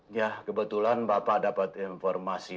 ya kebetulan bapak dapat informasi